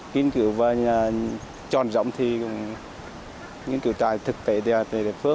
kinh cử và tròn rộng thì cũng nghiên cứu tài thực tế